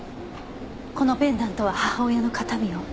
このペンダントは母親の形見よ。